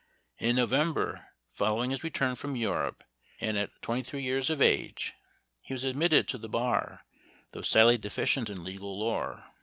In November following his return from Europe, and at twen 1 ty three years of age, he was admitted to the bar, though sadly deficient in legal lore."